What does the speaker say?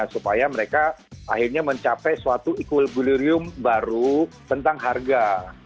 supaya mereka akhirnya mencapai suatu equiliblirium baru tentang harga